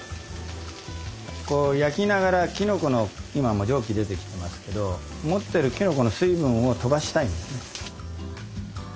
こう焼きながらきのこの今も蒸気出てきてますけど持ってるきのこの水分を飛ばしたいんですね。